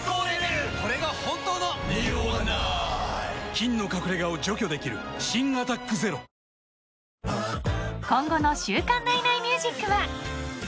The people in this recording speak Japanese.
菌の隠れ家を除去できる新「アタックＺＥＲＯ」［今後の『週刊ナイナイミュージック』は］